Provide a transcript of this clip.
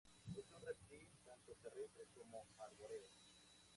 Es un reptil tanto terrestre como arbóreo.